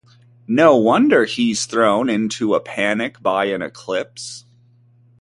No wonder he's thrown into a panic by an eclipse.